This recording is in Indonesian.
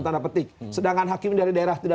tanda petik sedangkan hakim dari daerah tidak